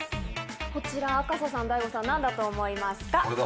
こちら赤楚さんＤＡＩＧＯさん何だと思いますか？